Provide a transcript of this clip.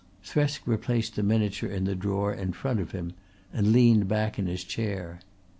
Thresk replaced the miniature in the drawer in front of him and leaned back in his chair.